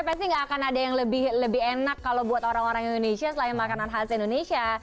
pasti gak akan ada yang lebih enak kalau buat orang orang indonesia selain makanan khas indonesia